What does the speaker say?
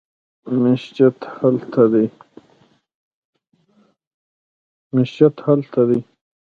مسجد هلته دی